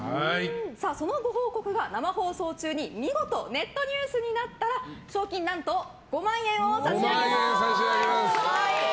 そのご報告が生放送中に見事ネットニュースになったら賞金何と５万円を差し上げます。